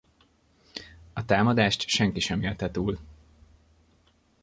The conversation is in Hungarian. A támadást senki sem élte túl.